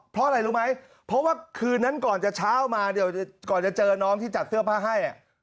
เพราะอะไรรู้ไหมเพราะว่าคืนนั้นก่อนจะเจอน้องเชื่อผ้าให้